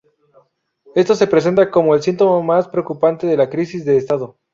Esto se presenta como el síntoma más preocupante de la crisis de estado.